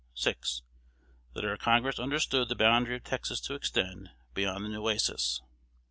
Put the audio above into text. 6. That our Congress understood the boundary of Texas to extend beyond the Nueces.